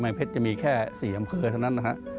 กะแมงเพชรจะมีแค่๔อำเภอเท่านั้นนะครับ